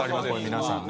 皆さんね。